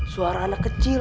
suara anak kecil